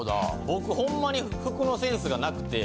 僕ほんまに服のセンスがなくて。